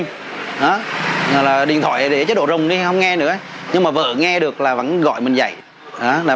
đi đó là điện thoại để chế độ rùng đi không nghe nữa nhưng mà vợ nghe được là vẫn gọi mình dạy là